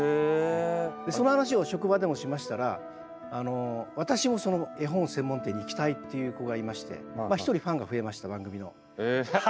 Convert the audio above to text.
その話を職場でもしましたら「私もその絵本専門店に行きたい」という子がいまして１人ファンが増えました番組の。